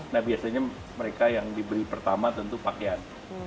nah biasanya mereka yang diberi pertama tentu pakaian